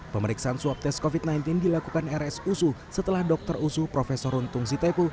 pemeriksaan swab test covid sembilan belas dilakukan rsusu setelah dokter usuh prof runtung siteku